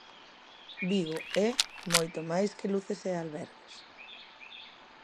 Vigo é moito máis que luces e albergues.